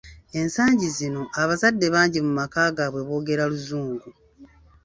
Ensangi zino abazadde bangi mu maka gaabwe boogera luzungu.